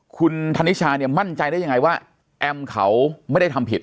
คุณธนิชาเนี่ยมั่นใจได้ยังไงว่าแอมเขาไม่ได้ทำผิด